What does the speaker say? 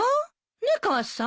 ねっ母さん。